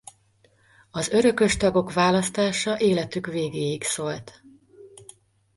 Az örökös tagok választása életük végéig szólt.